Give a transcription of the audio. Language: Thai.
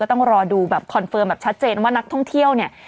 ก็ต้องรอดูแบบแบบแบบชัดเจนว่านักท่องเที่ยวเนี่ย